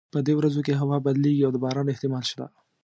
په دې ورځو کې هوا بدلیږي او د باران احتمال شته